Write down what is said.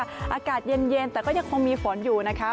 อากาศเย็นแต่ก็ยังคงมีฝนอยู่นะคะ